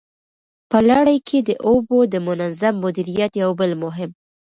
په لړۍ کي د اوبو د منظم مديريت يو بل مهم